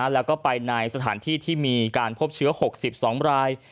แล้วก็ไปในสถานที่ที่มีการพบเชื้อ๖๒ราย